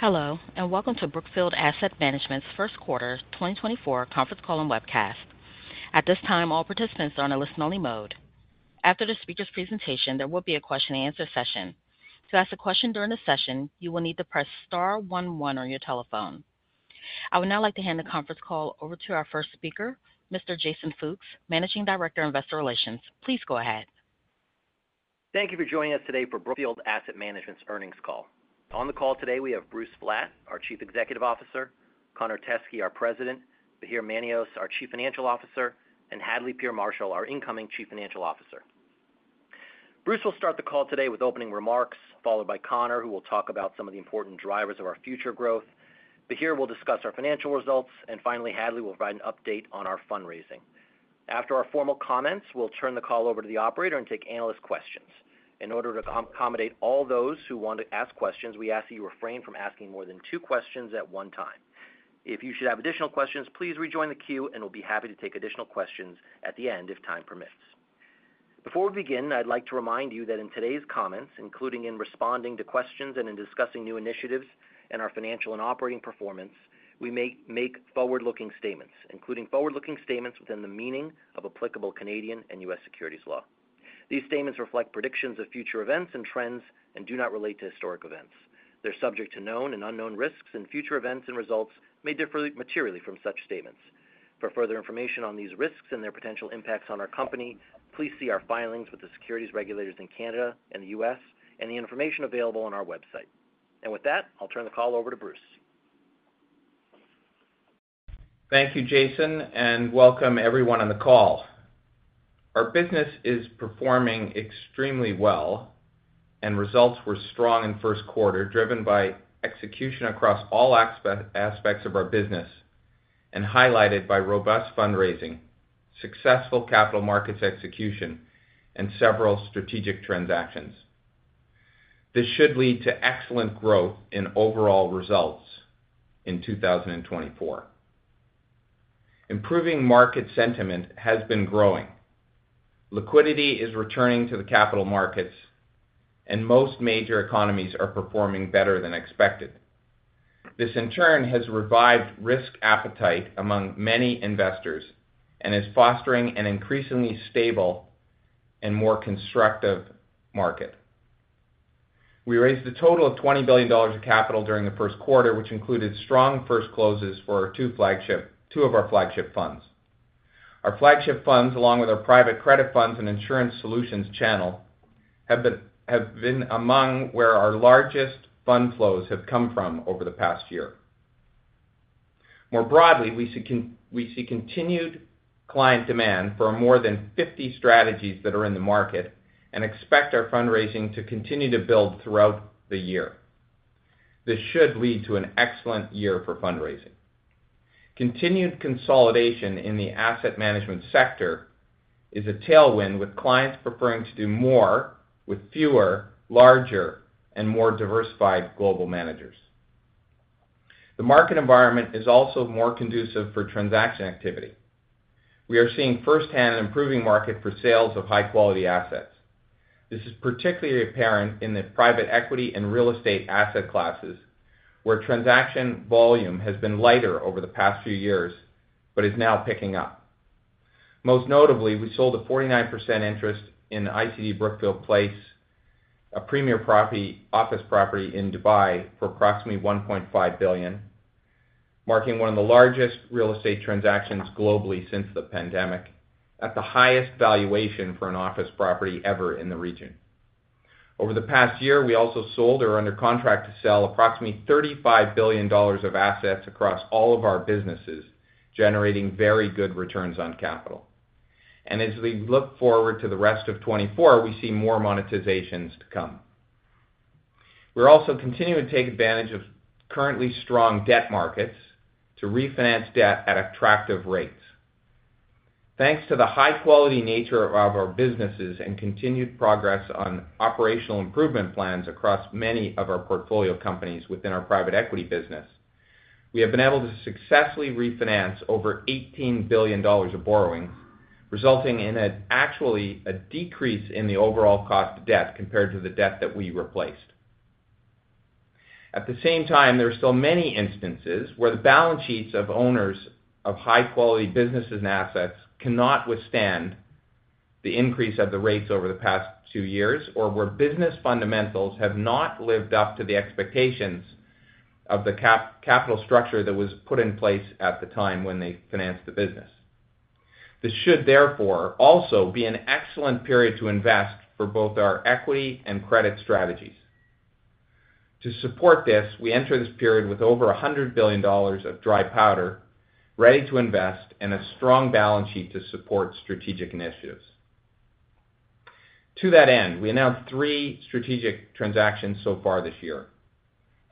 Hello and welcome to Brookfield Asset Management's first quarter 2024 conference call and webcast. At this time, all participants are on a listen-only mode. After the speaker's presentation, there will be a question-and-answer session. To ask a question during the session, you will need to press star one one on your telephone. I would now like to hand the conference call over to our first speaker, Mr. Jason Fooks, Managing Director of Investor Relations. Please go ahead. Thank you for joining us today for Brookfield Asset Management's earnings call. On the call today, we have Bruce Flatt, our Chief Executive Officer, Connor Teskey, our President, Bahir Manios, our Chief Financial Officer, and Hadley Peer Marshall, our Incoming Chief Financial Officer. Bruce will start the call today with opening remarks, followed by Connor, who will talk about some of the important drivers of our future growth. Bahir will discuss our financial results, and finally, Hadley will provide an update on our fundraising. After our formal comments, we'll turn the call over to the operator and take analyst questions. In order to accommodate all those who want to ask questions, we ask that you refrain from asking more than two questions at one time. If you should have additional questions, please rejoin the queue, and we'll be happy to take additional questions at the end if time permits. Before we begin, I'd like to remind you that in today's comments, including in responding to questions and in discussing new initiatives and our financial and operating performance, we make forward-looking statements, including forward-looking statements within the meaning of applicable Canadian and U.S. securities law. These statements reflect predictions of future events and trends and do not relate to historic events. They're subject to known and unknown risks, and future events and results may differ materially from such statements. For further information on these risks and their potential impacts on our company, please see our filings with the securities regulators in Canada and the U.S. and the information available on our website. With that, I'll turn the call over to Bruce. Thank you, Jason, and welcome everyone on the call. Our business is performing extremely well, and results were strong in first quarter, driven by execution across all aspects of our business and highlighted by robust fundraising, successful capital markets execution, and several strategic transactions. This should lead to excellent growth in overall results in 2024. Improving market sentiment has been growing. Liquidity is returning to the capital markets, and most major economies are performing better than expected. This, in turn, has revived risk appetite among many investors and is fostering an increasingly stable and more constructive market. We raised a total of $20 billion of capital during the first quarter, which included strong first closes for two of our flagship funds. Our flagship funds, along with our private credit funds and Insurance Solutions channel, have been among where our largest fund flows have come from over the past year. More broadly, we see continued client demand for more than 50 strategies that are in the market and expect our fundraising to continue to build throughout the year. This should lead to an excellent year for fundraising. Continued consolidation in the asset management sector is a tailwind with clients preferring to do more with fewer, larger, and more diversified global managers. The market environment is also more conducive for transaction activity. We are seeing firsthand an improving market for sales of high-quality assets. This is particularly apparent in the private equity and real estate asset classes, where transaction volume has been lighter over the past few years but is now picking up. Most notably, we sold a 49% interest in ICD Brookfield Place, a premier office property in Dubai, for approximately $1.5 billion, marking one of the largest real estate transactions globally since the pandemic, at the highest valuation for an office property ever in the region. Over the past year, we also sold or are under contract to sell approximately $35 billion of assets across all of our businesses, generating very good returns on capital. As we look forward to the rest of 2024, we see more monetizations to come. We're also continuing to take advantage of currently strong debt markets to refinance debt at attractive rates. Thanks to the high-quality nature of our businesses and continued progress on operational improvement plans across many of our portfolio companies within our private equity business, we have been able to successfully refinance over $18 billion of borrowings, resulting in actually a decrease in the overall cost of debt compared to the debt that we replaced. At the same time, there are still many instances where the balance sheets of owners of high-quality businesses and assets cannot withstand the increase of the rates over the past two years or where business fundamentals have not lived up to the expectations of the capital structure that was put in place at the time when they financed the business. This should, therefore, also be an excellent period to invest for both our equity and credit strategies. To support this, we enter this period with over $100 billion of dry powder, ready to invest, and a strong balance sheet to support strategic initiatives. To that end, we announced three strategic transactions so far this year.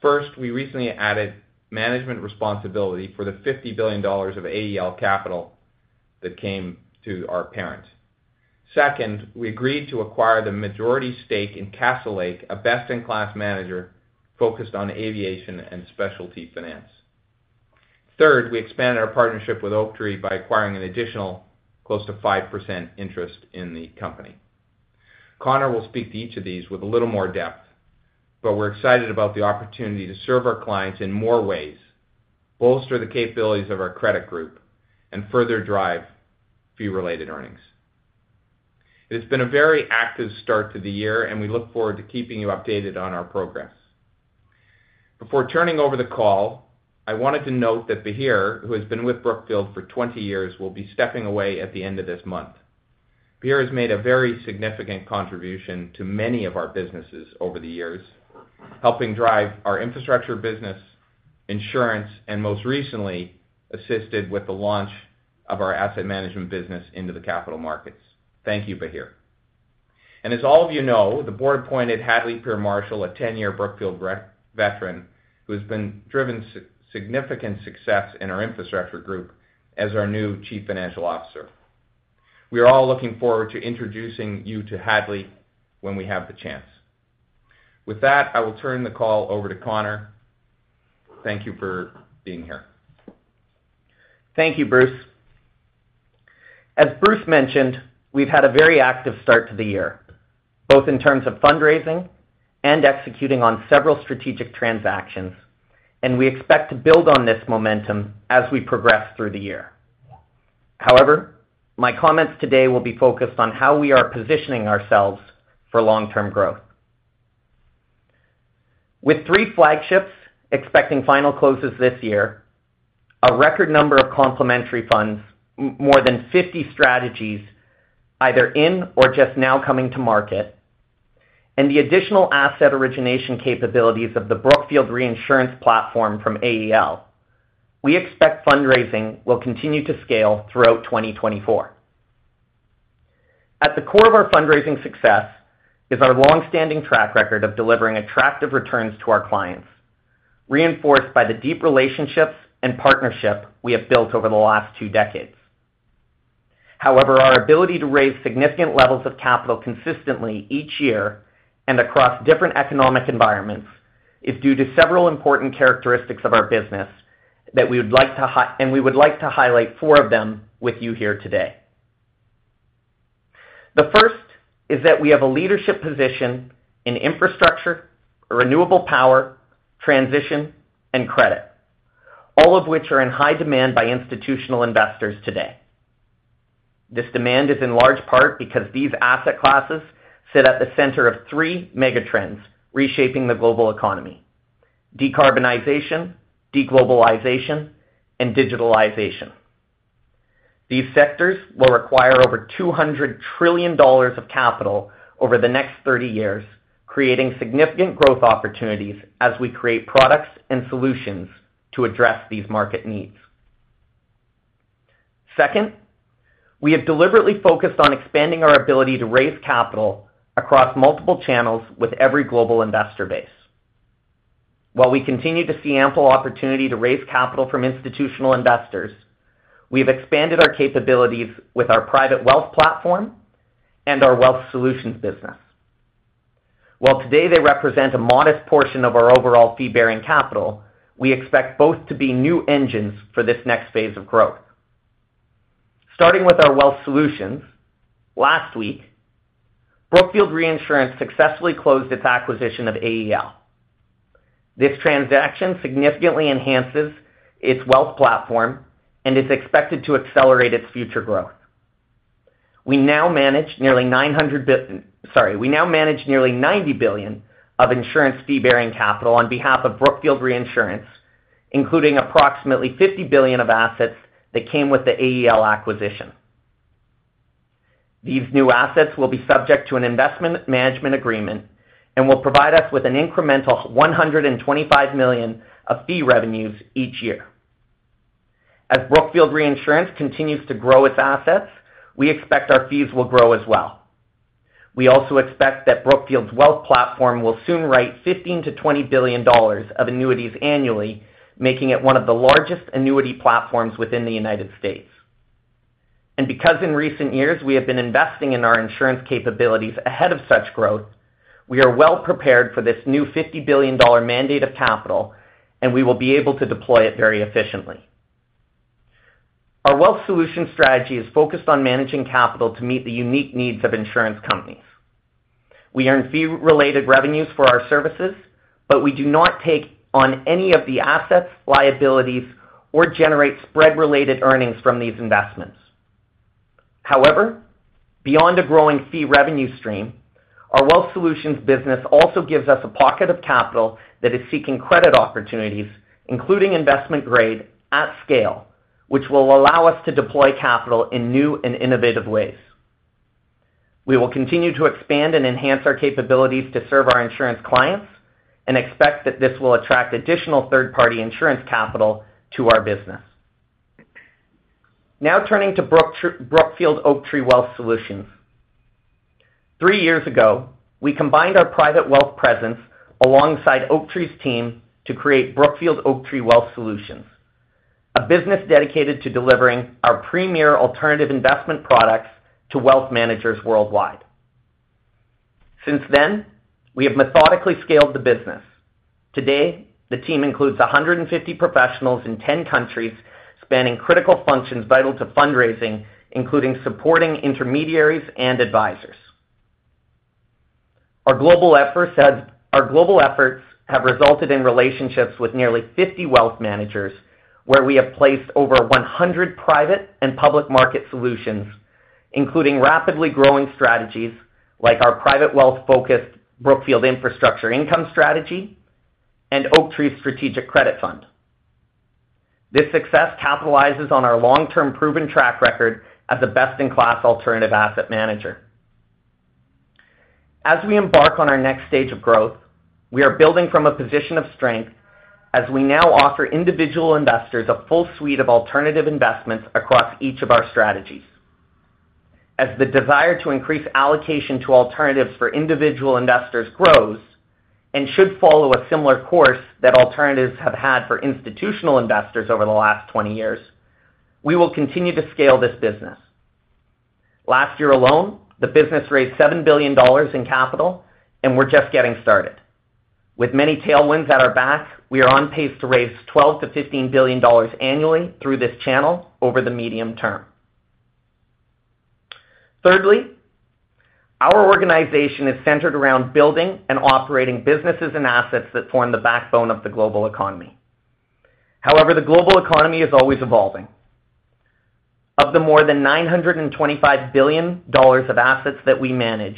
First, we recently added management responsibility for the $50 billion of AEL capital that came to our parent. Second, we agreed to acquire the majority stake in Castlelake, a best-in-class manager focused on aviation and specialty finance. Third, we expanded our partnership with Oaktree by acquiring an additional close to 5% interest in the company. Connor will speak to each of these with a little more depth, but we're excited about the opportunity to serve our clients in more ways, bolster the capabilities of our credit group, and further drive fee-related earnings. It has been a very active start to the year, and we look forward to keeping you updated on our progress. Before turning over the call, I wanted to note that Bahir, who has been with Brookfield for 20 years, will be stepping away at the end of this month. Bahir has made a very significant contribution to many of our businesses over the years, helping drive our infrastructure business, insurance, and most recently, assisted with the launch of our asset management business into the capital markets. Thank you, Bahir. And as all of you know, the board appointed Hadley Peer Marshall, a 10-year Brookfield veteran who has driven significant success in our infrastructure group as our new Chief Financial Officer. We are all looking forward to introducing you to Hadley when we have the chance. With that, I will turn the call over to Connor. Thank you for being here. Thank you, Bruce. As Bruce mentioned, we've had a very active start to the year, both in terms of fundraising and executing on several strategic transactions, and we expect to build on this momentum as we progress through the year. However, my comments today will be focused on how we are positioning ourselves for long-term growth. With three flagships expecting final closes this year, a record number of complementary funds, more than 50 strategies either in or just now coming to market, and the additional asset origination capabilities of the Brookfield Reinsurance platform from AEL, we expect fundraising will continue to scale throughout 2024. At the core of our fundraising success is our longstanding track record of delivering attractive returns to our clients, reinforced by the deep relationships and partnership we have built over the last two decades. However, our ability to raise significant levels of capital consistently each year and across different economic environments is due to several important characteristics of our business that we would like to highlight four of them with you here today. The first is that we have a leadership position in infrastructure, renewable power, transition, and credit, all of which are in high demand by institutional investors today. This demand is in large part because these asset classes sit at the center of three megatrends reshaping the global economy: decarbonization, deglobalization, and digitalization. These sectors will require over $200 trillion of capital over the next 30 years, creating significant growth opportunities as we create products and solutions to address these market needs. Second, we have deliberately focused on expanding our ability to raise capital across multiple channels with every global investor base. While we continue to see ample opportunity to raise capital from institutional investors, we have expanded our capabilities with our private wealth platform and our Wealth Solutions business. While today they represent a modest portion of our overall fee-bearing capital, we expect both to be new engines for this next phase of growth. Starting with our Wealth Solutions, last week, Brookfield Reinsurance successfully closed its acquisition of AEL. This transaction significantly enhances its wealth platform and is expected to accelerate its future growth. We now manage nearly $90 billion of insurance fee-bearing capital on behalf of Brookfield Reinsurance, including approximately $50 billion of assets that came with the AEL acquisition. These new assets will be subject to an investment management agreement and will provide us with an incremental $125 million of fee revenues each year. As Brookfield Reinsurance continues to grow its assets, we expect our fees will grow as well. We also expect that Brookfield's wealth platform will soon write $15-$20 billion of annuities annually, making it one of the largest annuity platforms within the United States. Because in recent years we have been investing in our insurance capabilities ahead of such growth, we are well prepared for this new $50 billion mandate of capital, and we will be able to deploy it very efficiently. Our wealth solutions strategy is focused on managing capital to meet the unique needs of insurance companies. We earn fee-related revenues for our services, but we do not take on any of the assets, liabilities, or generate spread-related earnings from these investments. However, beyond a growing fee revenue stream, our wealth solutions business also gives us a pocket of capital that is seeking credit opportunities, including investment-grade at scale, which will allow us to deploy capital in new and innovative ways. We will continue to expand and enhance our capabilities to serve our insurance clients and expect that this will attract additional third-party insurance capital to our business. Now turning to Brookfield Oaktree Wealth Solutions. Three years ago, we combined our private wealth presence alongside Oaktree's team to create Brookfield Oaktree Wealth Solutions, a business dedicated to delivering our premier alternative investment products to wealth managers worldwide. Since then, we have methodically scaled the business. Today, the team includes 150 professionals in 10 countries spanning critical functions vital to fundraising, including supporting intermediaries and advisors. Our global efforts have resulted in relationships with nearly 50 wealth managers, where we have placed over 100 private and public market solutions, including rapidly growing strategies like our private wealth-focused Brookfield Infrastructure Income Strategy and Oaktree Strategic Credit Fund. This success capitalizes on our long-term proven track record as a best-in-class alternative asset manager. As we embark on our next stage of growth, we are building from a position of strength as we now offer individual investors a full suite of alternative investments across each of our strategies. As the desire to increase allocation to alternatives for individual investors grows and should follow a similar course that alternatives have had for institutional investors over the last 20 years, we will continue to scale this business. Last year alone, the business raised $7 billion in capital, and we're just getting started. With many tailwinds at our back, we are on pace to raise $12-$15 billion annually through this channel over the medium term. Thirdly, our organization is centered around building and operating businesses and assets that form the backbone of the global economy. However, the global economy is always evolving. Of the more than $925 billion of assets that we manage,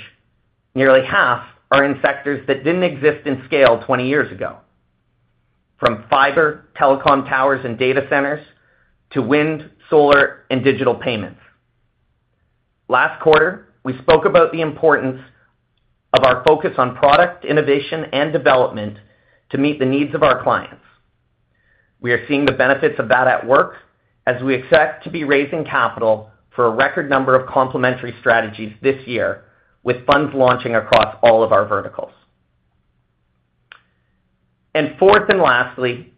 nearly half are in sectors that didn't exist in scale 20 years ago, from fiber, telecom towers, and data centers to wind, solar, and digital payments. Last quarter, we spoke about the importance of our focus on product, innovation, and development to meet the needs of our clients. We are seeing the benefits of that at work as we expect to be raising capital for a record number of complementary strategies this year, with funds launching across all of our verticals. Fourth and lastly,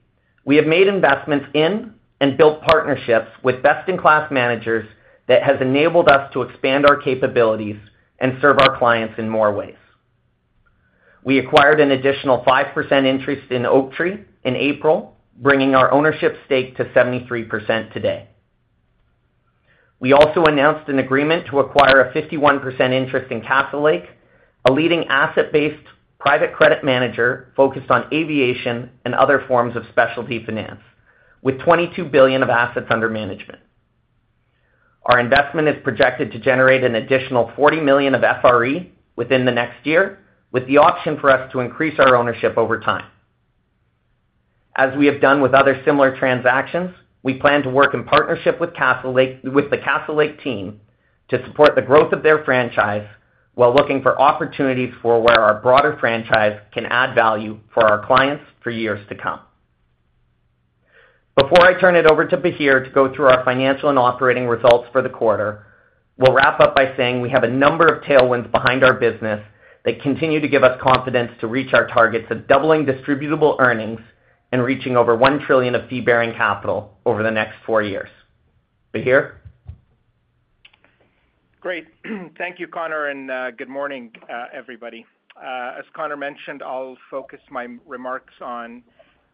we have made investments in and built partnerships with best-in-class managers that have enabled us to expand our capabilities and serve our clients in more ways. We acquired an additional 5% interest in Oaktree in April, bringing our ownership stake to 73% today. We also announced an agreement to acquire a 51% interest in Castlelake, a leading asset-based private credit manager focused on aviation and other forms of specialty finance, with $22 billion of assets under management. Our investment is projected to generate an additional $40 million of FRE within the next year, with the option for us to increase our ownership over time. As we have done with other similar transactions, we plan to work in partnership with the Castlelake team to support the growth of their franchise while looking for opportunities for where our broader franchise can add value for our clients for years to come. Before I turn it over to Bahir to go through our financial and operating results for the quarter, we'll wrap up by saying we have a number of tailwinds behind our business that continue to give us confidence to reach our targets of doubling distributable earnings and reaching over $1 trillion of fee-bearing capital over the next four years. Bahir? Great. Thank you, Connor, and good morning, everybody. As Connor mentioned, I'll focus my remarks on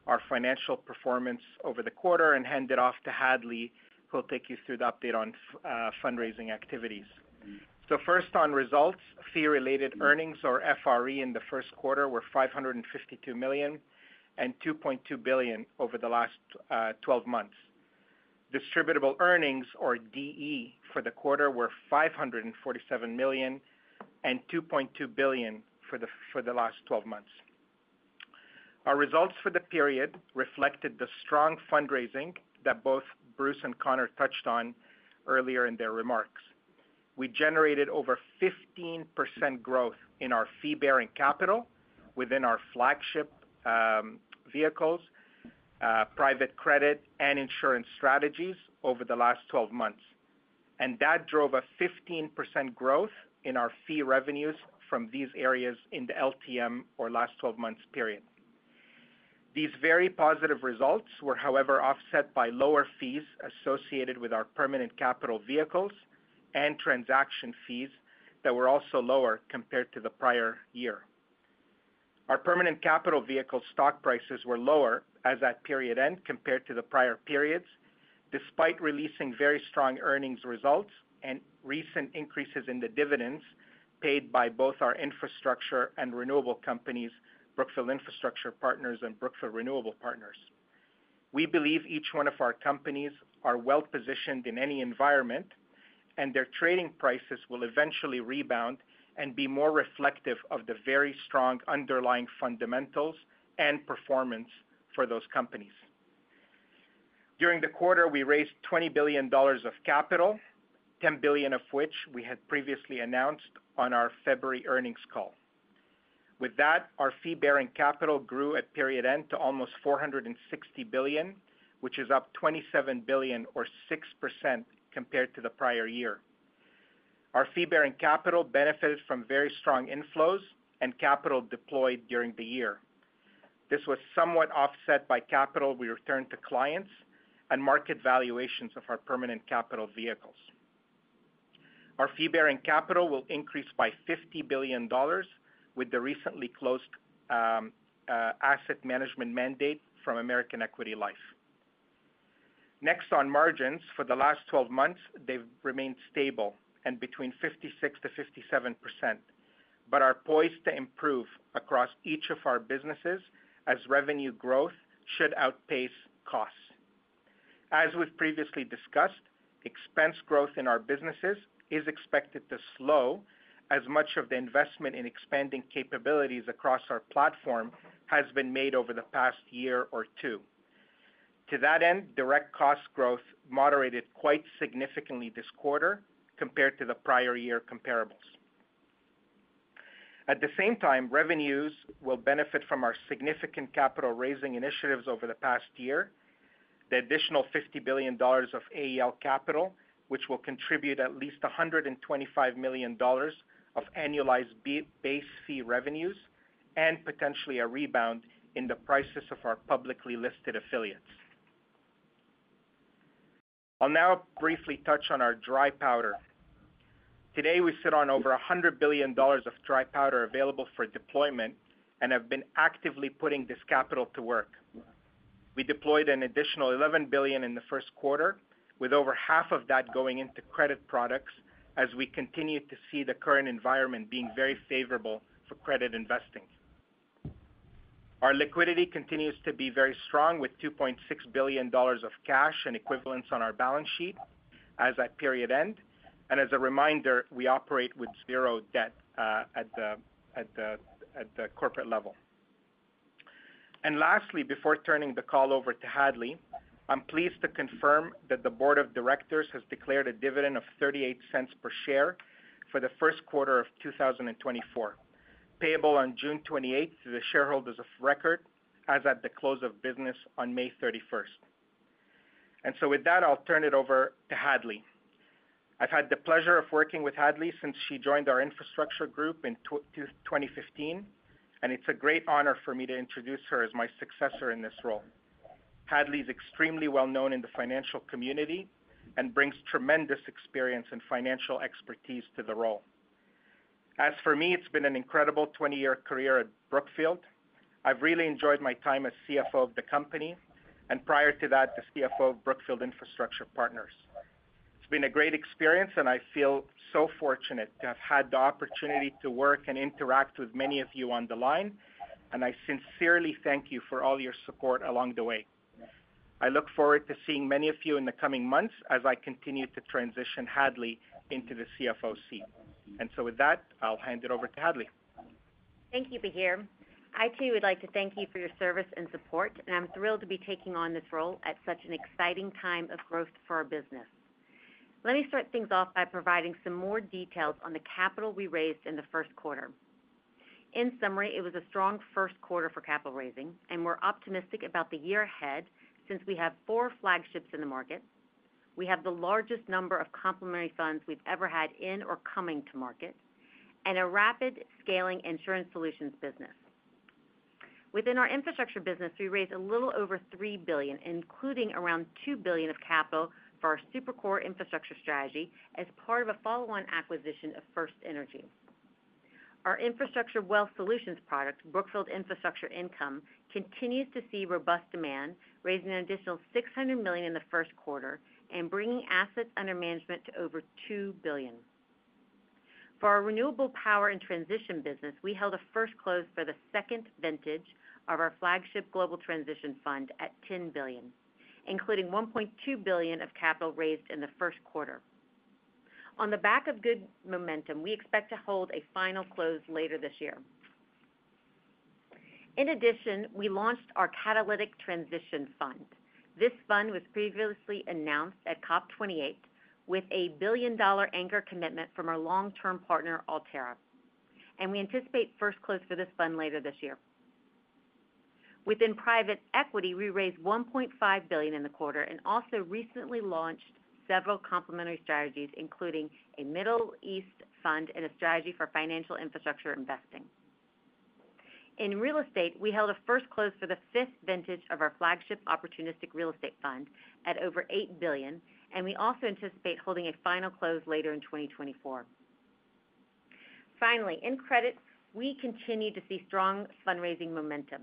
our financial performance over the quarter and hand it off to Hadley, who'll take you through the update on fundraising activities. First, on results, Fee-Related Earnings, or FRE, in the first quarter were $552 million and $2.2 billion over the last 12 months. Distributable Earnings, or DE, for the quarter were $547 million and $2.2 billion for the last 12 months. Our results for the period reflected the strong fundraising that both Bruce and Connor touched on earlier in their remarks. We generated over 15% growth in our fee-bearing capital within our flagship vehicles, private credit, and insurance strategies over the last 12 months. That drove a 15% growth in our fee revenues from these areas in the LTM, or last 12 months period. These very positive results were, however, offset by lower fees associated with our permanent capital vehicles and transaction fees that were also lower compared to the prior year. Our permanent capital vehicle stock prices were lower as at period end compared to the prior periods, despite releasing very strong earnings results and recent increases in the dividends paid by both our infrastructure and renewable companies, Brookfield Infrastructure Partners and Brookfield Renewable Partners. We believe each one of our companies are well positioned in any environment, and their trading prices will eventually rebound and be more reflective of the very strong underlying fundamentals and performance for those companies. During the quarter, we raised $20 billion of capital, $10 billion of which we had previously announced on our February earnings call. With that, our Fee-Bearing Capital grew at period end to almost $460 billion, which is up $27 billion, or 6% compared to the prior year. Our Fee-Bearing Capital benefited from very strong inflows and capital deployed during the year. This was somewhat offset by capital we returned to clients and market valuations of our permanent capital vehicles. Our Fee-Bearing Capital will increase by $50 billion with the recently closed asset management mandate from American Equity Life. Next, on margins, for the last 12 months, they've remained stable and between 56%-57%, but are poised to improve across each of our businesses as revenue growth should outpace costs. As we've previously discussed, expense growth in our businesses is expected to slow as much of the investment in expanding capabilities across our platform has been made over the past year or two. To that end, direct cost growth moderated quite significantly this quarter compared to the prior year comparables. At the same time, revenues will benefit from our significant capital raising initiatives over the past year, the additional $50 billion of AEL capital, which will contribute at least $125 million of annualized base fee revenues, and potentially a rebound in the prices of our publicly listed affiliates. I'll now briefly touch on our dry powder. Today, we sit on over $100 billion of dry powder available for deployment and have been actively putting this capital to work. We deployed an additional $11 billion in the first quarter, with over half of that going into credit products as we continue to see the current environment being very favorable for credit investing. Our liquidity continues to be very strong with $2.6 billion of cash and equivalents on our balance sheet as at period end. As a reminder, we operate with zero debt at the corporate level. Lastly, before turning the call over to Hadley, I'm pleased to confirm that the board of directors has declared a dividend of $0.38 per share for the first quarter of 2024, payable on June 28th to the shareholders of record as at the close of business on May 31st. So with that, I'll turn it over to Hadley. I've had the pleasure of working with Hadley since she joined our infrastructure group in 2015, and it's a great honor for me to introduce her as my successor in this role. Hadley is extremely well known in the financial community and brings tremendous experience and financial expertise to the role. As for me, it's been an incredible 20-year career at Brookfield. I've really enjoyed my time as CFO of the company and prior to that, the CFO of Brookfield Infrastructure Partners. It's been a great experience, and I feel so fortunate to have had the opportunity to work and interact with many of you on the line, and I sincerely thank you for all your support along the way. I look forward to seeing many of you in the coming months as I continue to transition Hadley into the CFO seat. And so with that, I'll hand it over to Hadley. Thank you, Bahir. I too would like to thank you for your service and support, and I'm thrilled to be taking on this role at such an exciting time of growth for our business. Let me start things off by providing some more details on the capital we raised in the first quarter. In summary, it was a strong first quarter for capital raising, and we're optimistic about the year ahead since we have four flagships in the market, we have the largest number of complementary funds we've ever had in or coming to market, and a rapid-scaling insurance solutions business. Within our infrastructure business, we raised a little over $3 billion, including around $2 billion of capital for our Super-Core infrastructure strategy as part of a follow-on acquisition of FirstEnergy. Our infrastructure wealth solutions product, Brookfield Infrastructure Income, continues to see robust demand, raising an additional $600 million in the first quarter and bringing assets under management to over $2 billion. For our renewable power and transition business, we held a first close for the second vintage of our flagship Global Transition Fund at $10 billion, including $1.2 billion of capital raised in the first quarter. On the back of good momentum, we expect to hold a final close later this year. In addition, we launched our Catalytic Transition Fund. This fund was previously announced at COP28 with a billion-dollar anchor commitment from our long-term partner, ALTÉRRA, and we anticipate first close for this fund later this year. Within private equity, we raised $1.5 billion in the quarter and also recently launched several complementary strategies, including a Middle East fund and a strategy for financial infrastructure investing. In real estate, we held a first close for the fifth vintage of our flagship opportunistic real estate fund at over $8 billion, and we also anticipate holding a final close later in 2024. Finally, in credit, we continue to see strong fundraising momentum,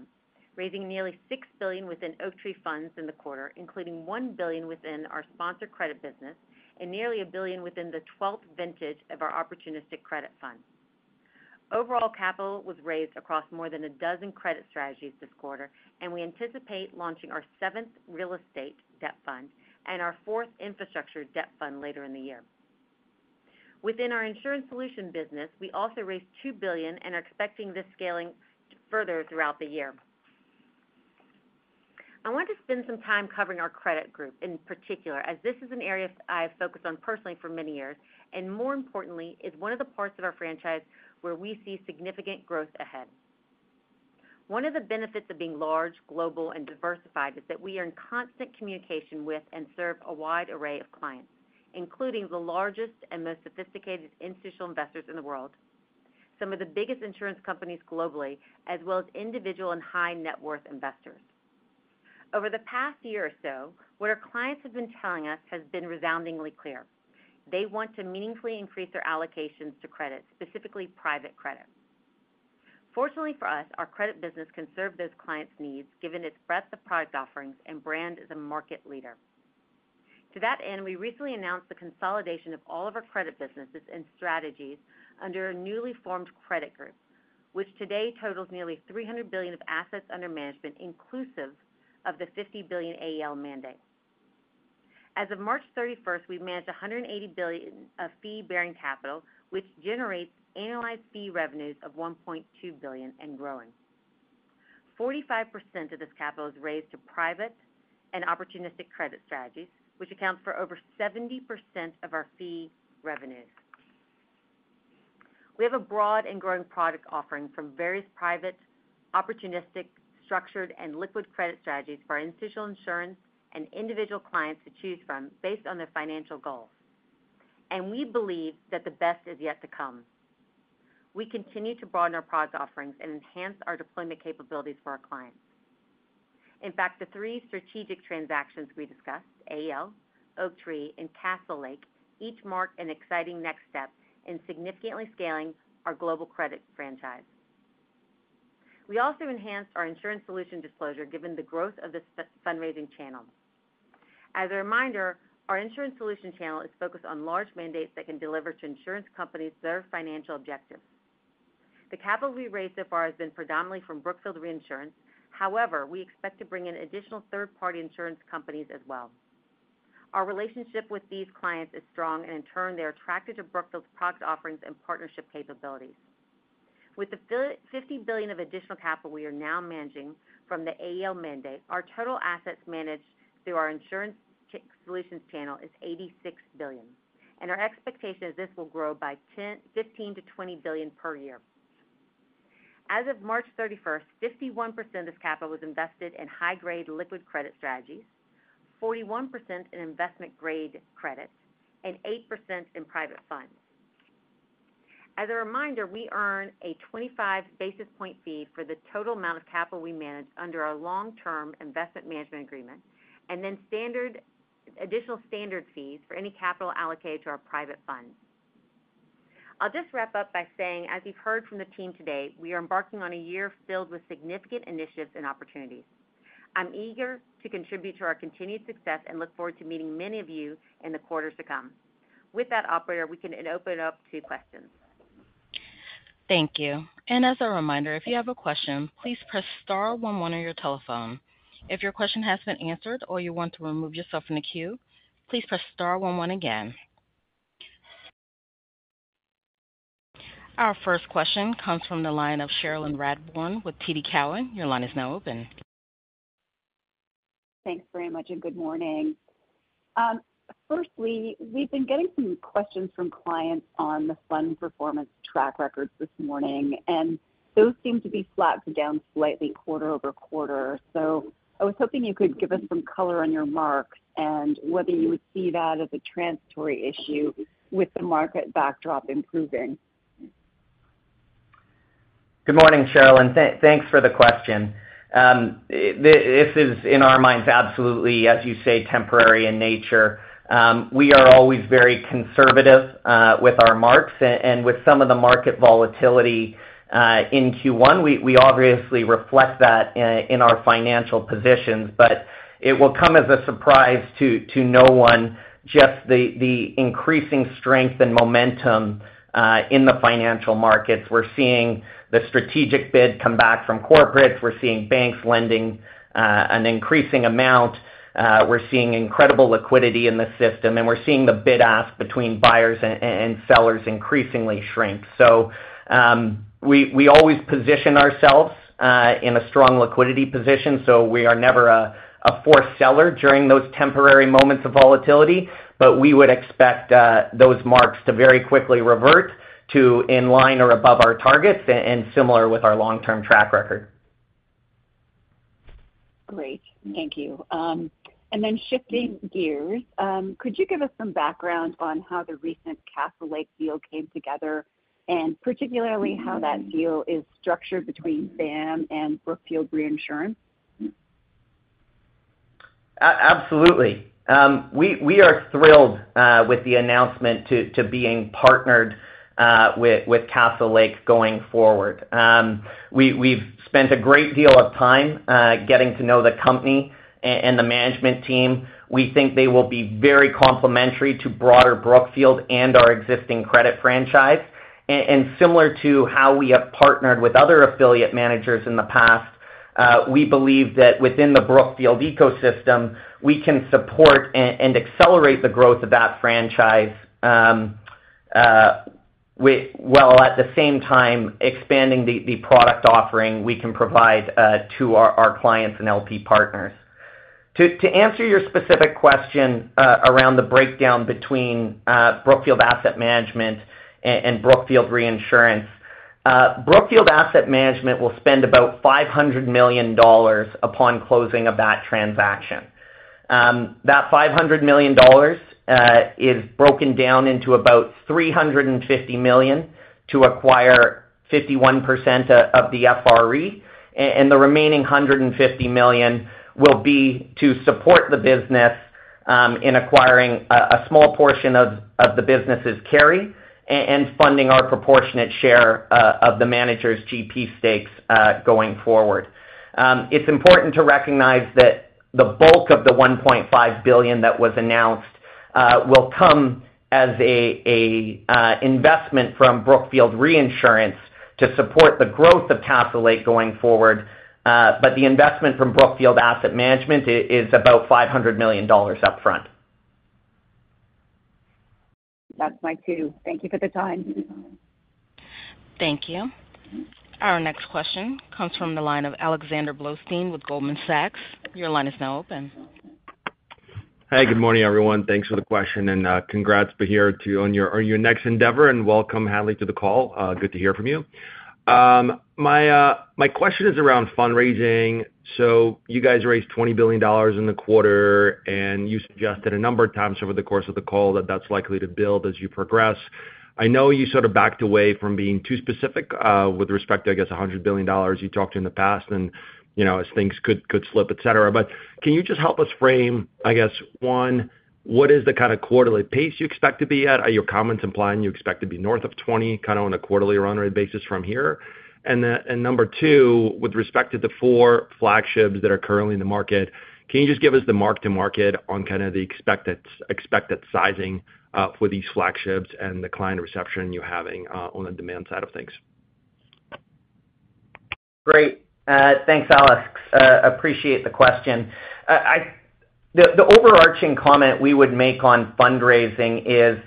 raising nearly $6 billion within Oaktree funds in the quarter, including $1 billion within our sponsor credit business and nearly $1 billion within the 12th vintage of our Opportunistic Credit Fund. Overall capital was raised across more than a dozen credit strategies this quarter, and we anticipate launching our seventh Real Estate Debt Fund and our fourth Infrastructure Debt Fund later in the year. Within our insurance solution business, we also raised $2 billion and are expecting this scaling further throughout the year. I want to spend some time covering our credit group in particular, as this is an area I have focused on personally for many years, and more importantly, is one of the parts of our franchise where we see significant growth ahead. One of the benefits of being large, global, and diversified is that we are in constant communication with and serve a wide array of clients, including the largest and most sophisticated institutional investors in the world, some of the biggest insurance companies globally, as well as individual and high-net-worth investors. Over the past year or so, what our clients have been telling us has been resoundingly clear: they want to meaningfully increase their allocations to credit, specifically private credit. Fortunately for us, our credit business can serve those clients' needs given its breadth of product offerings and brand as a market leader. To that end, we recently announced the consolidation of all of our credit businesses and strategies under a newly formed credit group, which today totals nearly $300 billion of assets under management, inclusive of the $50 billion AEL mandate. As of March 31st, we've managed $180 billion of fee-bearing capital, which generates annualized fee revenues of $1.2 billion and growing. 45% of this capital is raised to private and opportunistic credit strategies, which accounts for over 70% of our fee revenues. We have a broad and growing product offering from various private, opportunistic, structured, and liquid credit strategies for our institutional insurance and individual clients to choose from based on their financial goals. We believe that the best is yet to come. We continue to broaden our product offerings and enhance our deployment capabilities for our clients. In fact, the three strategic transactions we discussed, AEL, Oaktree, and Castlelake, each mark an exciting next step in significantly scaling our global credit franchise. We also enhanced our insurance solution disclosure given the growth of this fundraising channel. As a reminder, our insurance solution channel is focused on large mandates that can deliver to insurance companies their financial objectives. The capital we raised so far has been predominantly from Brookfield Reinsurance. However, we expect to bring in additional third-party insurance companies as well. Our relationship with these clients is strong, and in turn, they are attracted to Brookfield's product offerings and partnership capabilities. With the $50 billion of additional capital we are now managing from the AEL mandate, our total assets managed through our insurance solutions channel is $86 billion, and our expectation is this will grow by $15-$20 billion per year. As of March 31st, 51% of this capital was invested in high-grade liquid credit strategies, 41% in investment-grade credit, and 8% in private funds. As a reminder, we earn a 25 basis point fee for the total amount of capital we manage under our long-term investment management agreement and then additional standard fees for any capital allocated to our private funds. I'll just wrap up by saying, as you've heard from the team today, we are embarking on a year filled with significant initiatives and opportunities. I'm eager to contribute to our continued success and look forward to meeting many of you in the quarters to come. With that, operator, we can open it up to questions. Thank you. And as a reminder, if you have a question, please press star 11 on your telephone. If your question has been answered or you want to remove yourself from the queue, please press star 11 again. Our first question comes from the line of Cherilyn Radbourne with TD Cowen. Your line is now open. Thanks very much and good morning. Firstly, we've been getting some questions from clients on the fund performance track records this morning, and those seem to be flat to down slightly quarter-over-quarter. So I was hoping you could give us some color on your marks and whether you would see that as a transitory issue with the market backdrop improving. Good morning, Cherilyn. Thanks for the question. This is, in our minds, absolutely, as you say, temporary in nature. We are always very conservative with our marks, and with some of the market volatility in Q1, we obviously reflect that in our financial positions. But it will come as a surprise to no one just the increasing strength and momentum in the financial markets. We're seeing the strategic bid come back from corporates. We're seeing banks lending an increasing amount. We're seeing incredible liquidity in the system, and we're seeing the bid-ask between buyers and sellers increasingly shrink. So we always position ourselves in a strong liquidity position, so we are never a forced seller during those temporary moments of volatility. But we would expect those marks to very quickly revert to in line or above our targets and similar with our long-term track record. Great. Thank you. And then shifting gears, could you give us some background on how the recent Castlelake deal came together and particularly how that deal is structured between BAM and Brookfield Reinsurance? Absolutely. We are thrilled with the announcement to being partnered with Castlelake going forward. We've spent a great deal of time getting to know the company and the management team. We think they will be very complementary to broader Brookfield and our existing credit franchise. Similar to how we have partnered with other affiliate managers in the past, we believe that within the Brookfield ecosystem, we can support and accelerate the growth of that franchise while at the same time expanding the product offering we can provide to our clients and LP partners. To answer your specific question around the breakdown between Brookfield Asset Management and Brookfield Reinsurance, Brookfield Asset Management will spend about $500 million upon closing of that transaction. That $500 million is broken down into about $350 million to acquire 51% of the FRE, and the remaining $150 million will be to support the business in acquiring a small portion of the business's carry and funding our proportionate share of the manager's GP stakes going forward. It's important to recognize that the bulk of the $1.5 billion that was announced will come as an investment from Brookfield Reinsurance to support the growth of Castlelake going forward, but the investment from Brookfield Asset Management is about $500 million upfront. That's my two. Thank you for the time. Thank you. Our next question comes from the line of Alexander Blostein with Goldman Sachs. Your line is now open. Hey, good morning, everyone. Thanks for the question, and congrats, Bahir, on your next endeavor. And welcome, Hadley, to the call. Good to hear from you. My question is around fundraising. So you guys raised $20 billion in the quarter, and you suggested a number of times over the course of the call that that's likely to build as you progress. I know you sort of backed away from being too specific with respect to, I guess, $100 billion you talked to in the past and as things could slip, etc. But can you just help us frame, I guess, one, what is the kind of quarterly pace you expect to be at? Are your comments implying you expect to be north of 20 kind of on a quarterly run rate basis from here? Number two, with respect to the four flagships that are currently in the market, can you just give us the mark-to-market on kind of the expected sizing for these flagships and the client reception you're having on the demand side of things? Great. Thanks, Alex. Appreciate the question. The overarching comment we would make on fundraising is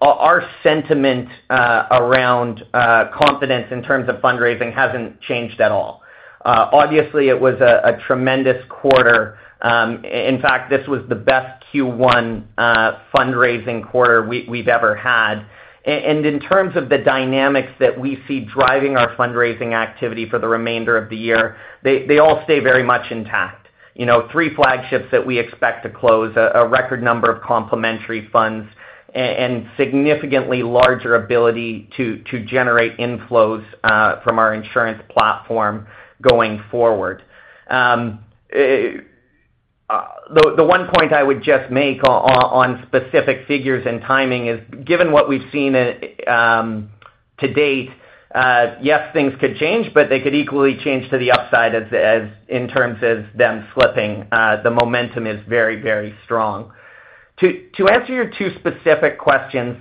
our sentiment around confidence in terms of fundraising hasn't changed at all. Obviously, it was a tremendous quarter. In fact, this was the best Q1 fundraising quarter we've ever had. In terms of the dynamics that we see driving our fundraising activity for the remainder of the year, they all stay very much intact: three flagships that we expect to close, a record number of complementary funds, and significantly larger ability to generate inflows from our insurance platform going forward. The one point I would just make on specific figures and timing is, given what we've seen to date, yes, things could change, but they could equally change to the upside in terms of them slipping. The momentum is very, very strong. To answer your two specific questions,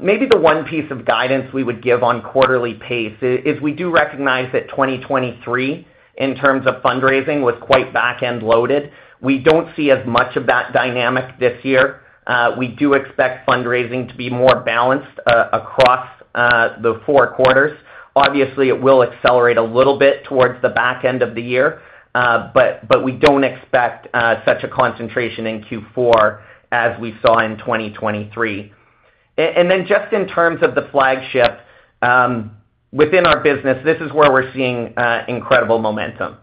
maybe the one piece of guidance we would give on quarterly pace is we do recognize that 2023, in terms of fundraising, was quite back-end loaded. We don't see as much of that dynamic this year. We do expect fundraising to be more balanced across the four quarters. Obviously, it will accelerate a little bit towards the back end of the year, but we don't expect such a concentration in Q4 as we saw in 2023. And then just in terms of the flagship, within our business, this is where we're seeing incredible momentum.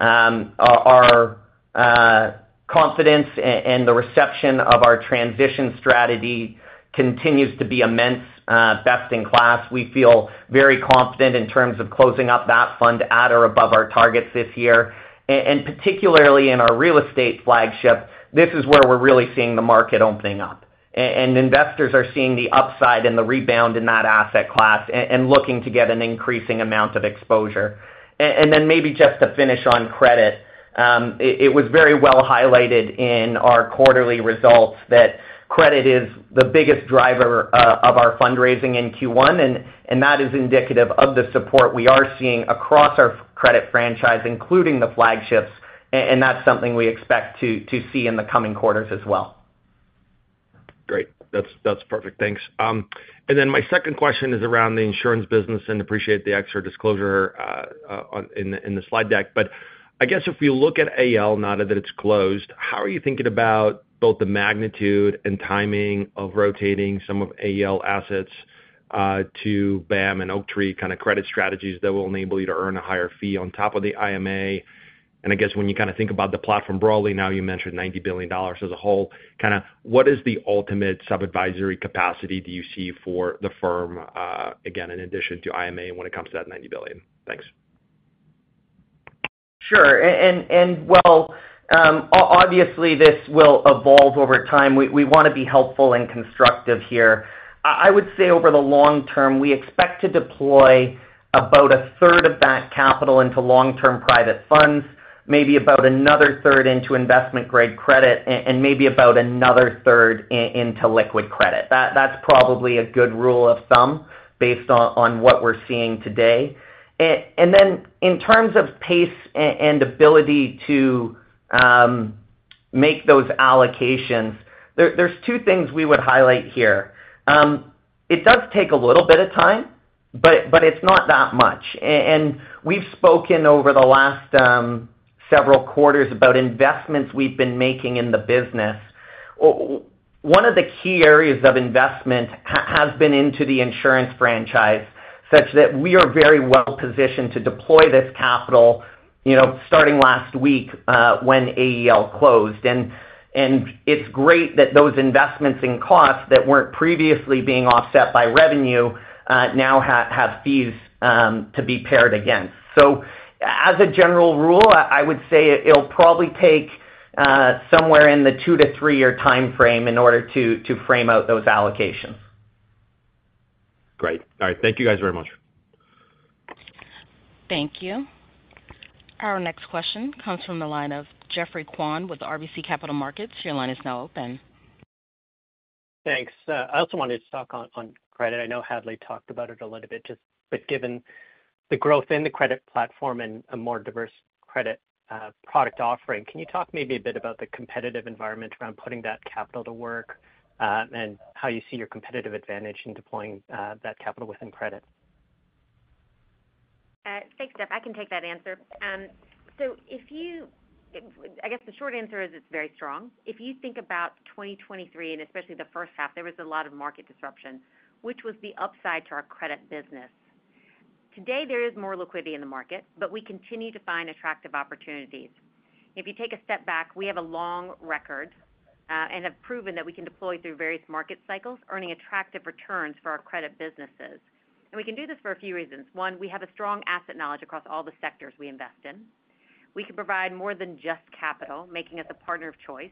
Our confidence and the reception of our transition strategy continues to be immense, best in class. We feel very confident in terms of closing up that fund at or above our targets this year. Particularly in our real estate flagship, this is where we're really seeing the market opening up. Investors are seeing the upside and the rebound in that asset class and looking to get an increasing amount of exposure. Then maybe just to finish on credit, it was very well highlighted in our quarterly results that credit is the biggest driver of our fundraising in Q1, and that is indicative of the support we are seeing across our credit franchise, including the flagships. That's something we expect to see in the coming quarters as well. Great. That's perfect. Thanks. And then my second question is around the insurance business, and appreciate the extra disclosure in the slide deck. But I guess if we look at AEL, now that it's closed, how are you thinking about both the magnitude and timing of rotating some of AEL assets to BAM and Oaktree kind of credit strategies that will enable you to earn a higher fee on top of the IMA? And I guess when you kind of think about the platform broadly, now you mentioned $90 billion as a whole. Kind of what is the ultimate subadvisory capacity do you see for the firm, again, in addition to IMA when it comes to that $90 billion? Thanks. Sure. Well, obviously, this will evolve over time. We want to be helpful and constructive here. I would say over the long term, we expect to deploy about a third of that capital into long-term private funds, maybe about another third into investment-grade credit, and maybe about another third into liquid credit. That's probably a good rule of thumb based on what we're seeing today. Then in terms of pace and ability to make those allocations, there's two things we would highlight here. It does take a little bit of time, but it's not that much. We've spoken over the last several quarters about investments we've been making in the business. One of the key areas of investment has been into the insurance franchise such that we are very well positioned to deploy this capital starting last week when AEL closed. It's great that those investments in costs that weren't previously being offset by revenue now have fees to be paired against. As a general rule, I would say it'll probably take somewhere in the 2-3-year timeframe in order to frame out those allocations. Great. All right. Thank you guys very much. Thank you. Our next question comes from the line of Geoffrey Kwan with RBC Capital Markets. Your line is now open. Thanks. I also wanted to talk on credit. I know Hadley talked about it a little bit, but given the growth in the credit platform and a more diverse credit product offering, can you talk maybe a bit about the competitive environment around putting that capital to work and how you see your competitive advantage in deploying that capital within credit? Thanks, Jeff. I can take that answer. So I guess the short answer is it's very strong. If you think about 2023 and especially the first half, there was a lot of market disruption, which was the upside to our credit business. Today, there is more liquidity in the market, but we continue to find attractive opportunities. If you take a step back, we have a long record and have proven that we can deploy through various market cycles, earning attractive returns for our credit businesses. We can do this for a few reasons. One, we have a strong asset knowledge across all the sectors we invest in. We can provide more than just capital, making us a partner of choice.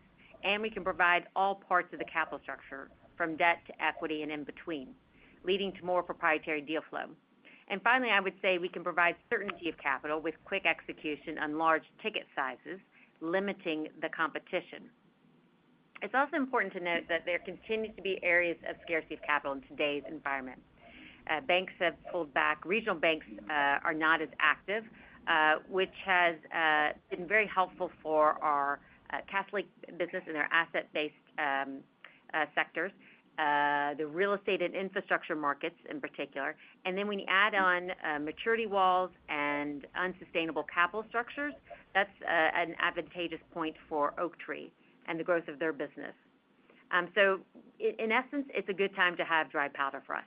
We can provide all parts of the capital structure, from debt to equity and in between, leading to more proprietary deal flow. Finally, I would say we can provide certainty of capital with quick execution on large ticket sizes, limiting the competition. It's also important to note that there continues to be areas of scarcity of capital in today's environment. Regional banks are not as active, which has been very helpful for our Castlelake business and their asset-based sectors, the real estate and infrastructure markets in particular. And then when you add on maturity walls and unsustainable capital structures, that's an advantageous point for Oaktree and the growth of their business. So in essence, it's a good time to have dry powder for us.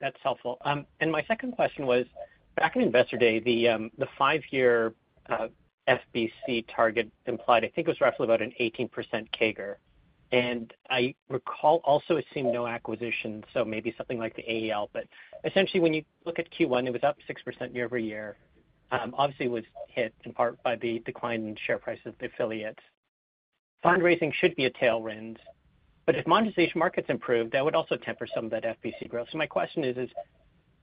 That's helpful. And my second question was, back in Investor Day, the five-year FBC target implied, I think it was roughly about an 18% CAGR. And I recall also it seemed no acquisition, so maybe something like the AEL. But essentially, when you look at Q1, it was up 6% year-over-year. Obviously, it was hit in part by the decline in share prices of the affiliates. Fundraising should be a tailwind, but if monetization markets improve, that would also temper some of that FBC growth. So my question is,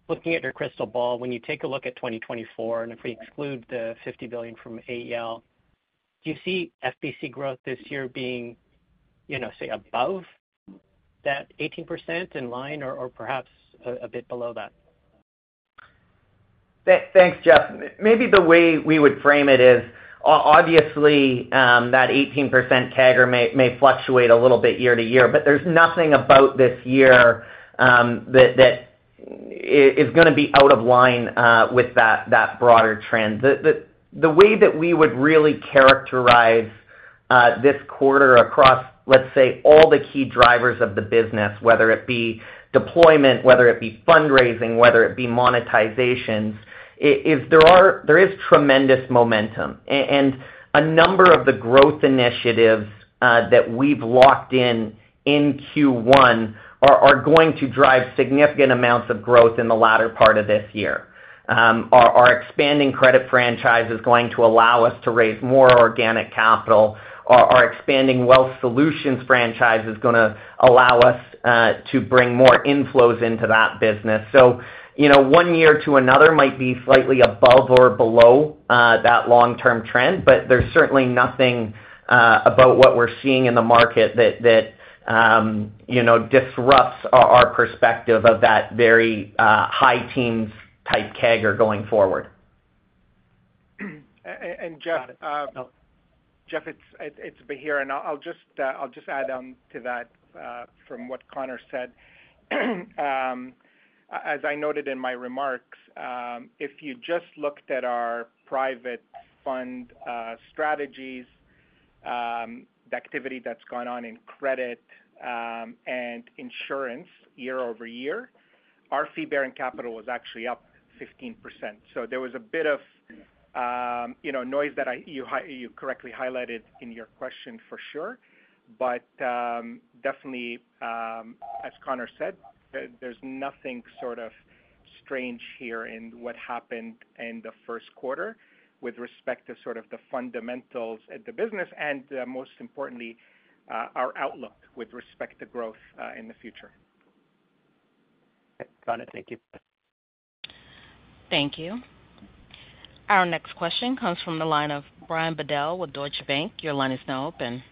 looking at your crystal ball, when you take a look at 2024, and if we exclude the $50 billion from AEL, do you see FBC growth this year being, say, above that 18% in line or perhaps a bit below that? Thanks, Jeff. Maybe the way we would frame it is, obviously, that 18% CAGR may fluctuate a little bit year to year, but there's nothing about this year that is going to be out of line with that broader trend. The way that we would really characterize this quarter across, let's say, all the key drivers of the business, whether it be deployment, whether it be fundraising, whether it be monetizations, is, there is tremendous momentum. A number of the growth initiatives that we've locked in in Q1 are going to drive significant amounts of growth in the latter part of this year. Our expanding credit franchise is going to allow us to raise more organic capital. Our expanding Wealth Solutions franchise is going to allow us to bring more inflows into that business. One year to another might be slightly above or below that long-term trend, but there's certainly nothing about what we're seeing in the market that disrupts our perspective of that very high-teens type CAGR going forward. Jeff, it's Bahir, and I'll just add on to that from what Connor said. As I noted in my remarks, if you just looked at our private fund strategies, the activity that's gone on in credit and insurance year-over-year, our fee-bearing capital was actually up 15%. So there was a bit of noise that you correctly highlighted in your question, for sure. But definitely, as Connor said, there's nothing sort of strange here in what happened in the first quarter with respect to sort of the fundamentals of the business and, most importantly, our outlook with respect to growth in the future. Got it. Thank you. Thank you. Our next question comes from the line of Brian Bedell with Deutsche Bank. Your line is now open.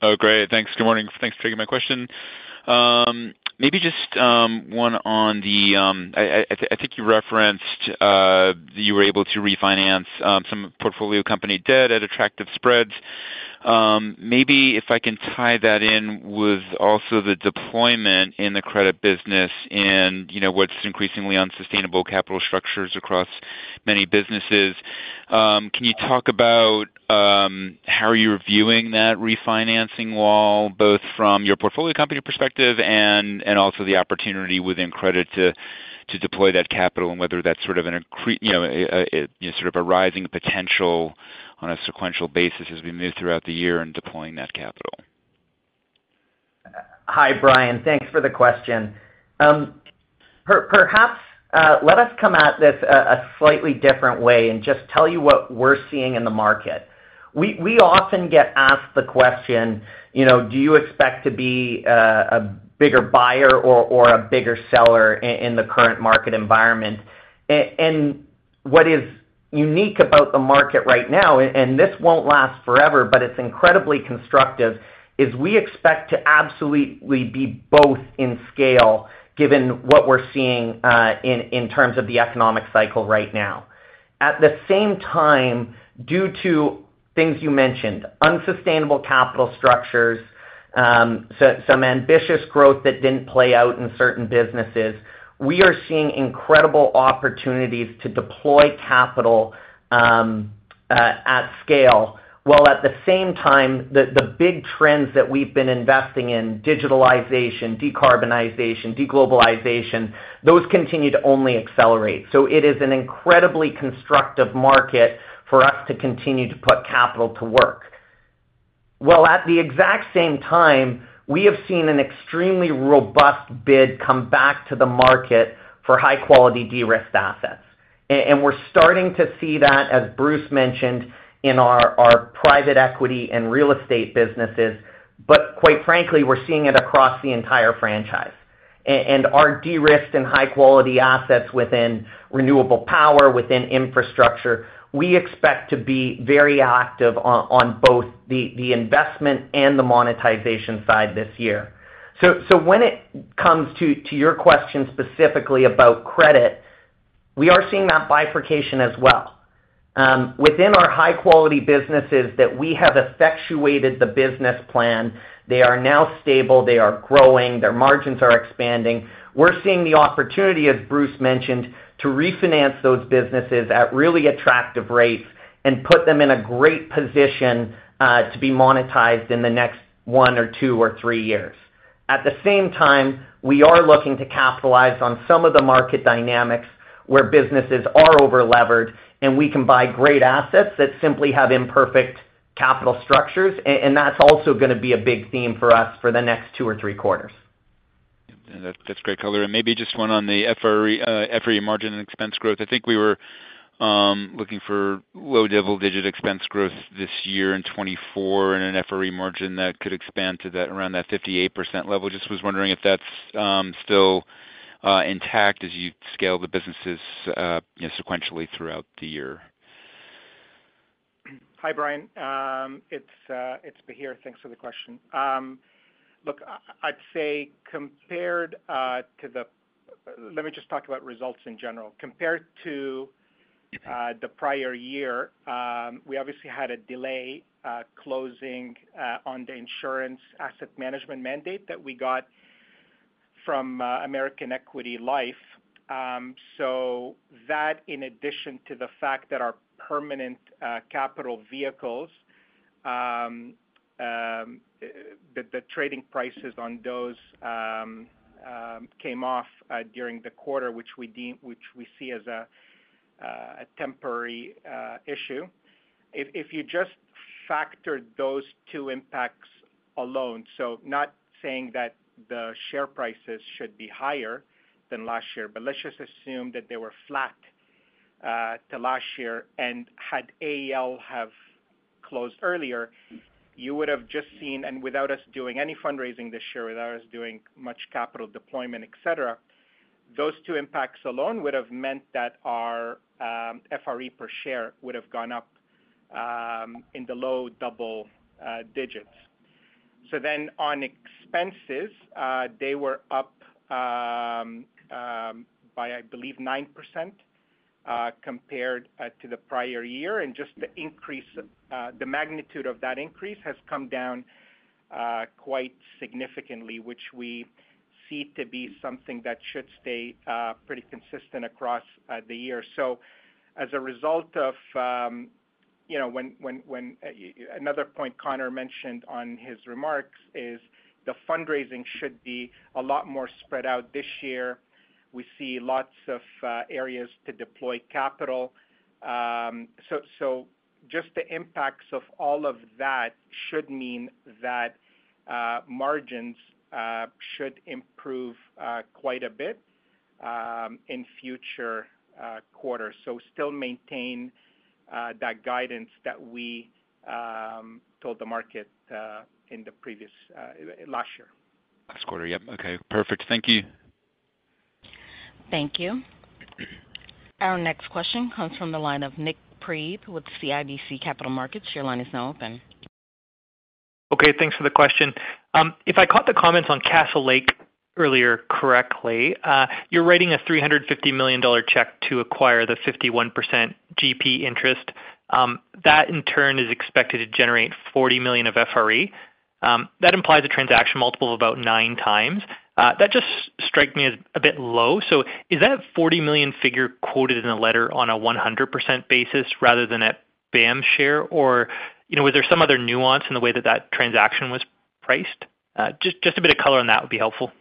Oh, great. Thanks. Good morning. Thanks for taking my question. Maybe just one on the—I think you referenced that you were able to refinance some portfolio company debt at attractive spreads. Maybe if I can tie that in with also the deployment in the credit business and what's increasingly unsustainable capital structures across many businesses, can you talk about how are you reviewing that refinancing wall, both from your portfolio company perspective and also the opportunity within credit to deploy that capital and whether that's sort of an sort of a rising potential on a sequential basis as we move throughout the year in deploying that capital? Hi, Brian. Thanks for the question. Perhaps let us come at this a slightly different way and just tell you what we're seeing in the market. We often get asked the question, "Do you expect to be a bigger buyer or a bigger seller in the current market environment?" And what is unique about the market right now, and this won't last forever, but it's incredibly constructive, is we expect to absolutely be both in scale given what we're seeing in terms of the economic cycle right now. At the same time, due to things you mentioned, unsustainable capital structures, some ambitious growth that didn't play out in certain businesses, we are seeing incredible opportunities to deploy capital at scale. While at the same time, the big trends that we've been investing in, digitalization, decarbonization, deglobalization, those continue to only accelerate. It is an incredibly constructive market for us to continue to put capital to work. While at the exact same time, we have seen an extremely robust bid come back to the market for high-quality de-risked assets. We're starting to see that, as Bruce mentioned, in our private equity and real estate businesses. Quite frankly, we're seeing it across the entire franchise. Our de-risked and high-quality assets within renewable power, within infrastructure, we expect to be very active on both the investment and the monetization side this year. When it comes to your question specifically about credit, we are seeing that bifurcation as well. Within our high-quality businesses that we have effectuated the business plan, they are now stable. They are growing. Their margins are expanding. We're seeing the opportunity, as Bruce mentioned, to refinance those businesses at really attractive rates and put them in a great position to be monetized in the next 1 or 2 or 3 years. At the same time, we are looking to capitalize on some of the market dynamics where businesses are over-levered, and we can buy great assets that simply have imperfect capital structures. And that's also going to be a big theme for us for the next 2 or 3 quarters. That's great, Connor. Maybe just one on the FRE margin and expense growth. I think we were looking for low-double-digit expense growth this year in 2024 and an FRE margin that could expand to around that 58% level. Just was wondering if that's still intact as you scale the businesses sequentially throughout the year. Hi, Brian. It's Bahir. Thanks for the question. Look, I'd say, let me just talk about results in general. Compared to the prior year, we obviously had a delay closing on the insurance asset management mandate that we got from American Equity Life. So that, in addition to the fact that our permanent capital vehicles, the trading prices on those came off during the quarter, which we see as a temporary issue. If you just factored those two impacts alone, so not saying that the share prices should be higher than last year, but let's just assume that they were flat to last year and had AEL have closed earlier, you would have just seen, and without us doing any fundraising this year, without us doing much capital deployment, etc., those two impacts alone would have meant that our FRE per share would have gone up in the low double digits. So then on expenses, they were up by, I believe, 9% compared to the prior year. And just the magnitude of that increase has come down quite significantly, which we see to be something that should stay pretty consistent across the year. So as a result of when another point Connor mentioned on his remarks is the fundraising should be a lot more spread out this year. We see lots of areas to deploy capital. So just the impacts of all of that should mean that margins should improve quite a bit in future quarters. So still maintain that guidance that we told the market in the previous last year. Last quarter. Yep. Okay. Perfect. Thank you. Thank you. Our next question comes from the line of Nick Priebe with CIBC Capital Markets. Your line is now open. Okay. Thanks for the question. If I caught the comments on Castlelake earlier correctly, you're writing a $350 million check to acquire the 51% GP interest. That, in turn, is expected to generate $40 million of FRE. That implies a transaction multiple of about 9x. That just strikes me as a bit low. So is that $40 million figure quoted in a letter on a 100% basis rather than at BAM share, or was there some other nuance in the way that that transaction was priced? Just a bit of color on that would be helpful.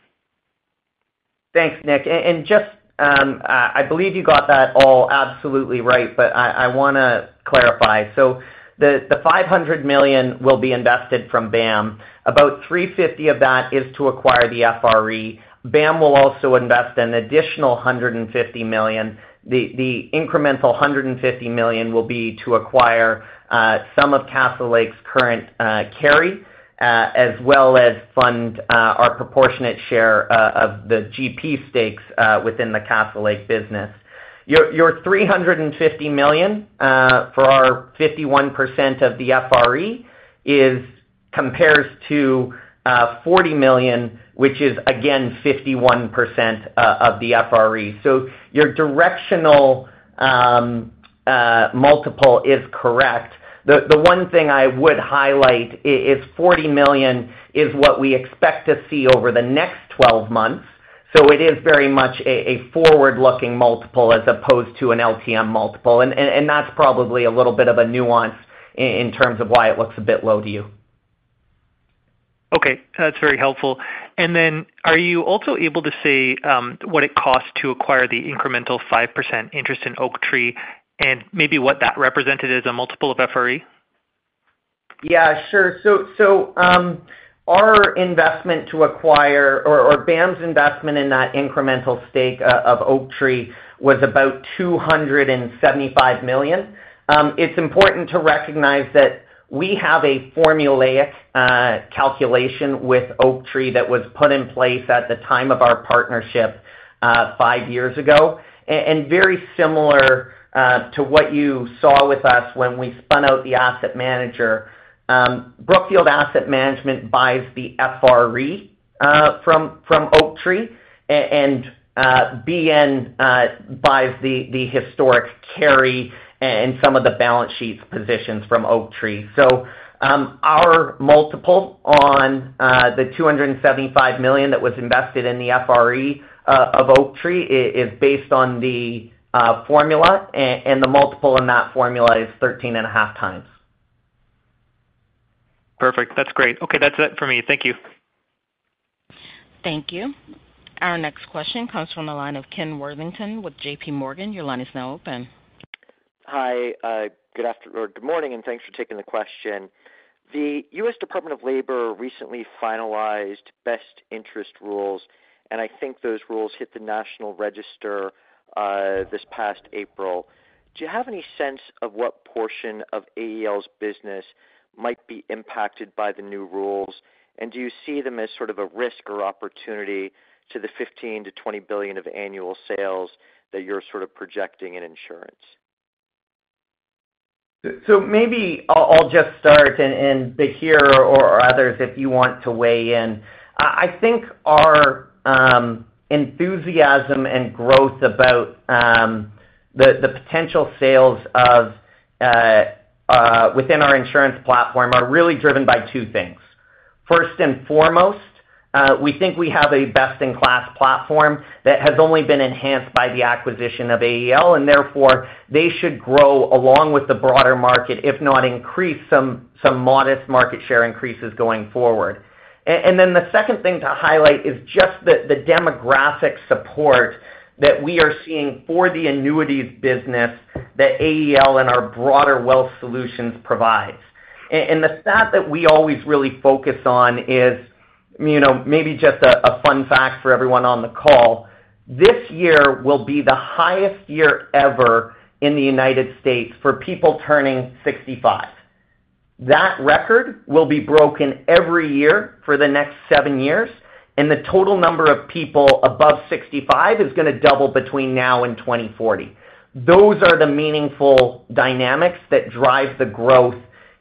Thanks, Nick. And just I believe you got that all absolutely right, but I want to clarify. So the $500 million will be invested from BAM. About $350 million of that is to acquire the FRE. BAM will also invest an additional $150 million. The incremental $150 million will be to acquire some of Castlelake's current carry as well as fund our proportionate share of the GP stakes within the Castlelake business. Your $350 million for our 51% of the FRE compares to $40 million, which is, again, 51% of the FRE. So your directional multiple is correct. The one thing I would highlight is $40 million is what we expect to see over the next 12 months. So it is very much a forward-looking multiple as opposed to an LTM multiple. That's probably a little bit of a nuance in terms of why it looks a bit low to you. Okay. That's very helpful. And then are you also able to say what it costs to acquire the incremental 5% interest in Oaktree and maybe what that represented as a multiple of FRE? Yeah, sure. So our investment to acquire or BAM's investment in that incremental stake of Oaktree was about $275 million. It's important to recognize that we have a formulaic calculation with Oaktree that was put in place at the time of our partnership 5 years ago and very similar to what you saw with us when we spun out the asset manager. Brookfield Asset Management buys the FRE from Oaktree, and BN buys the historic carry and some of the balance sheet positions from Oaktree. So our multiple on the $275 million that was invested in the FRE of Oaktree is based on the formula, and the multiple in that formula is 13.5x. Perfect. That's great. Okay. That's it for me. Thank you. Thank you. Our next question comes from the line of Ken Worthington with J.P. Morgan. Your line is now open. Hi. Good afternoon or good morning, and thanks for taking the question. The U.S. Department of Labor recently finalized best interest rules, and I think those rules hit the national register this past April. Do you have any sense of what portion of AEL's business might be impacted by the new rules, and do you see them as sort of a risk or opportunity to the $15 billion-$20 billion of annual sales that you're sort of projecting in insurance? So maybe I'll just start, and Bahir or others, if you want to weigh in. I think our enthusiasm and growth about the potential sales within our insurance platform are really driven by two things. First and foremost, we think we have a best-in-class platform that has only been enhanced by the acquisition of AEL, and therefore, they should grow along with the broader market, if not increase some modest market share increases going forward. And then the second thing to highlight is just the demographic support that we are seeing for the annuities business that AEL and our broader Wealth Solutions provides. And the stat that we always really focus on is maybe just a fun fact for everyone on the call. This year will be the highest year ever in the United States for people turning 65. That record will be broken every year for the next 7 years, and the total number of people above 65 is going to double between now and 2040. Those are the meaningful dynamics that drive the growth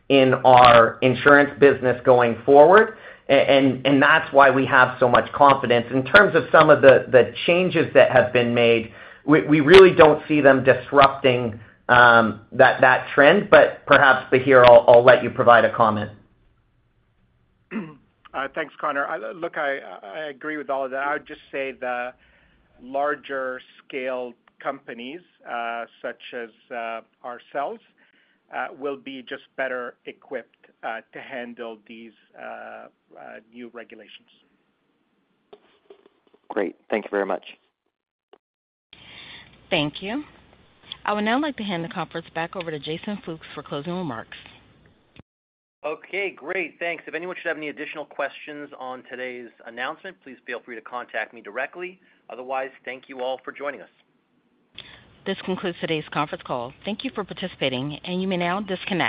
in our insurance business going forward, and that's why we have so much confidence. In terms of some of the changes that have been made, we really don't see them disrupting that trend. But perhaps, Bahir, I'll let you provide a comment. Thanks, Connor. Look, I agree with all of that. I would just say the larger-scale companies such as ourselves will be just better equipped to handle these new regulations. Great. Thank you very much. Thank you. I would now like to hand the conference back over to Jason Fooks for closing remarks. Okay. Great. Thanks. If anyone should have any additional questions on today's announcement, please feel free to contact me directly. Otherwise, thank you all for joining us. This concludes today's conference call. Thank you for participating, and you may now disconnect.